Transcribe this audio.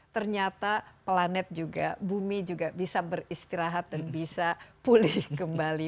ternyata planet juga bumi juga bisa beristirahat dan bisa pulih kembali